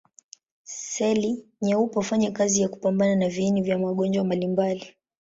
Seli nyeupe hufanya kazi ya kupambana na viini vya magonjwa mbalimbali.